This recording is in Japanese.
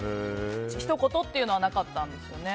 ひと言っていうのはなかったんですよね。